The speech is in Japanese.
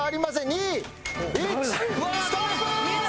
２１ストップ！